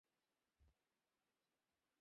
তবে বড়োদের দুনিয়াতে আমার স্থিতিশীলতা চাই।